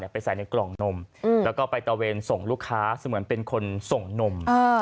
ไปใส่ในกล่องนมแล้วก็ไปตะเวนส่งลูกค้าเสมือนเป็นคนส่งนม